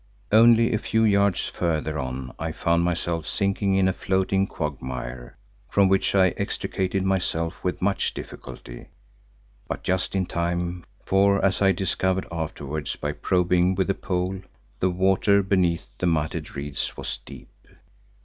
Only a few yards further on I found myself sinking in a floating quagmire, from which I extricated myself with much difficulty but just in time for as I discovered afterwards by probing with a pole, the water beneath the matted reeds was deep.